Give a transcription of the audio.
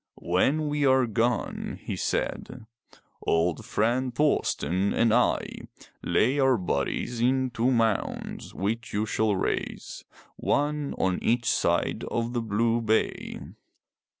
"When we are gone/' he said, old friend Thorsten and I, lay our bodies in two mounds, which you shall raise, one on each side of the blue bay.